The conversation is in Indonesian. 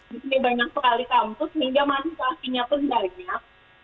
di sini banyak sekali kampus sehingga masing masingnya pun banyak